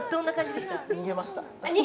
逃げました。